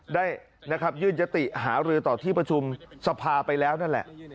ได้นะครับยื่นยติหารือต่อที่ประชุมสภาไปแล้วนั่นแหละ